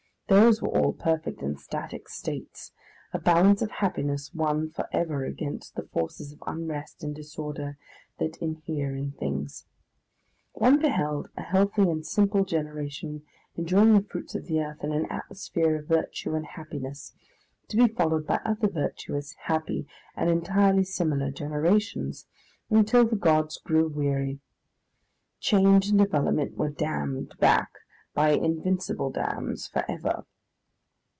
Those were all perfect and static States, a balance of happiness won for ever against the forces of unrest and disorder that inhere in things. One beheld a healthy and simple generation enjoying the fruits of the earth in an atmosphere of virtue and happiness, to be followed by other virtuous, happy, and entirely similar generations, until the Gods grew weary. Change and development were dammed back by invincible dams for ever.